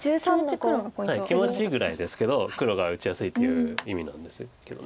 気持ちぐらいですけど黒が打ちやすいという意味なんですけど。